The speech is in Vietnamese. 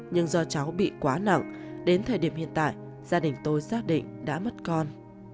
nhưng do cháu bị quá nặng đến thời điểm hiện tại gia đình tôi xác định đã mất con